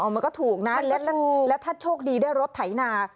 มันก็ถูกนะแล้วถ้าโชคดีได้รถไถนา